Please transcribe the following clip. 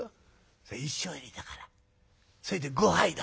「それ１升入りだからそれで５杯だ」。